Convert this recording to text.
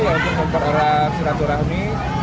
tujuannya untuk memperolah silaturahmi